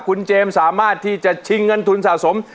คุณเจมส์สามารถที่จะชิงเงินทุนสะสม